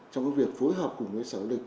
trong việc phối hợp cùng với sở du lịch